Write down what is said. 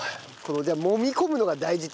じゃあもみ込むのが大事って事だね。